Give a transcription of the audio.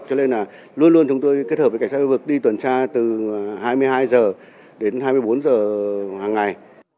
cho nên là luôn luôn chúng tôi kết hợp với cảnh sát khu vực đi tuần tra từ hai mươi hai h đến hai mươi bốn h hàng ngày